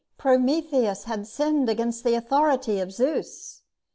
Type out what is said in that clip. Prometheus had sinned against the authority of Zeus.